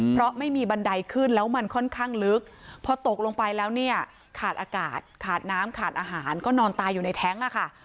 เพราะไม่มีบันไดขึ้นแล้วมันค่อนข้างลึกพอตกลงไปแล้วเนี่ยขาดอากาศขาดน้ำขาดอาหารก็นอนตายอยู่ในแท้งอะค่ะ